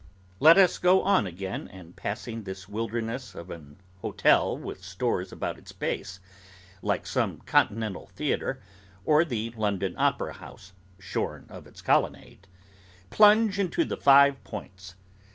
Let us go on again; and passing this wilderness of an hotel with stores about its base, like some Continental theatre, or the London Opera House shorn of its colonnade, plunge into the Five Points.